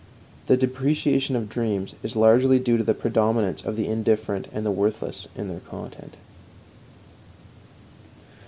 The depreciation of dreams is largely due to the predominance of the indifferent and the worthless in their content.